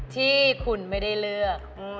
ที่คุณไม่ได้เลือก